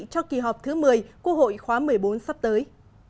cho kỳ họp thứ một mươi quốc hội khóa một mươi bốn sắp tới